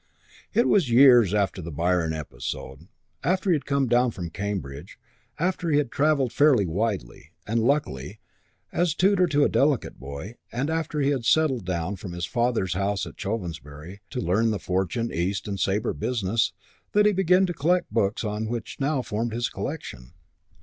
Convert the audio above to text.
V It was years after the Byron episode after he had come down from Cambridge, after he had travelled fairly widely, and luckily, as tutor to a delicate boy, and after he had settled down, from his father's house at Chovensbury, to learn the Fortune, East and Sabre business that he began to collect the books which now formed his collection.